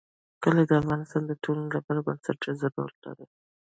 کلي د افغانستان د ټولنې لپاره بنسټيز رول لري.